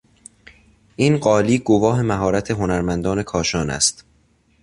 این قالی گواه مهارت هنرمندان کاشان است.